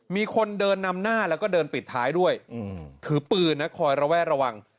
มีคนเดินนำหน้าแล้วก็เดินปิดท้ายด้วยถือปืนนะคอยระแวดระวัง